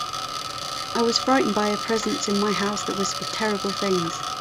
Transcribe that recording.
I was frightened by a presence in my house that whispered terrible things.